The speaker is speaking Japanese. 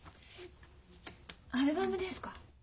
アルバムですか？